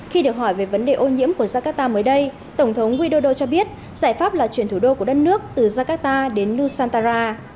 khi được hỏi về vấn đề ô nhiễm của jakarta mới đây tổng thống widodo cho biết giải pháp là chuyển thủ đô của đất nước từ jakarta đến nusantara